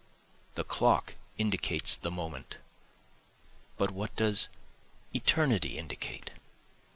The clock indicates the moment but what does eternity indicate?